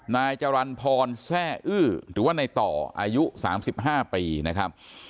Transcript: นายจรรย์พรแซ่อื้อหรือว่าในต่ออายุ๓๕ปีนะครับ